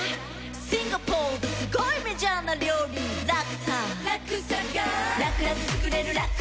シンガポールですごいメジャーな料理ラクサラクサｇｉｒｌラクラク